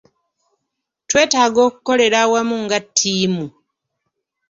Twetaaga okukolera awamu nga ttiimu.